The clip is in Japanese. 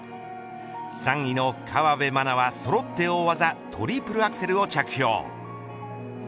３位の河辺愛菜はそろって大技トリプルアクセルを着氷。